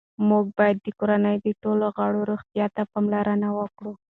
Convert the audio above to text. موږ باید د کورنۍ د ټولو غړو روغتیا ته پاملرنه وکړو